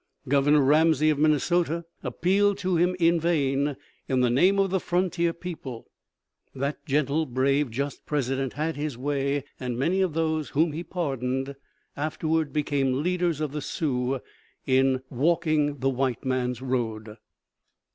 Governor Ramsey of Minnesota appealed to him in vain in the name of the frontier people: that gentle, brave, just President had his way, and many of those whom he pardoned afterward became leaders of the Sioux in walking the white man's road.